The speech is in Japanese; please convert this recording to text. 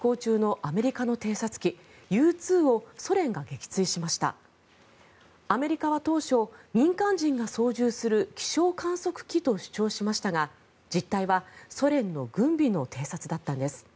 アメリカは当初民間人が操縦する気象観測機と主張しましたが、実態はソ連の軍備の偵察だったんです。